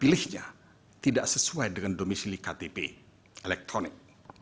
dan hak pilihnya tidak sesuai dengan domisi likti elektronik